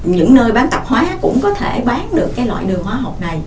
những nơi bán tạp hóa cũng có thể bán được loại đường hóa học này